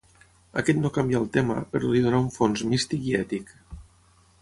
Aquest no canvià el tema, però li donà un fons místic i ètic.